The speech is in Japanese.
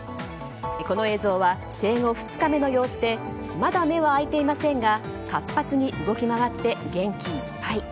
この映像は生後２日目の様子でまだ目は開いていませんが活発に動き回って元気いっぱい。